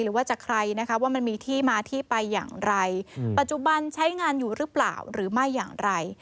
หรือว่าจะใครนะคะว่ามันมีที่มาที่ไปอย่างไรปัจจุบันใช้งานอยู่หรือเปล่าหรือไม่อย่างไร